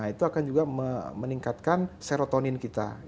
itu akan juga meningkatkan serotonin kita